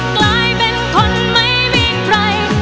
กลายเป็นคนไม่มีใคร